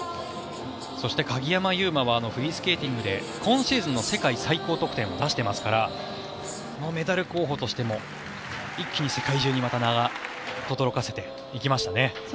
そして鍵山優真はフリースケーティングで今シーズンの世界最高得点を出してますからメダル候補としても一気に世界中に名をとどろかせていきましたね。